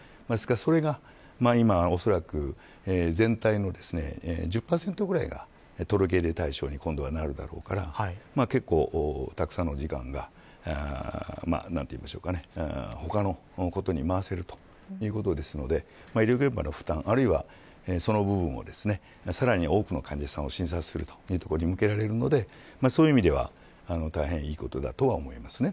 それが今、おそらく全体の１０％ぐらいが届け出対象に今度はなるだろうから結構たくさんの時間が他のことに回せるということですので医療現場の負担、あるいはその部分をさらに多くの患者さんを診察することに向けられるのでそういう意味では大変いいことだと思います。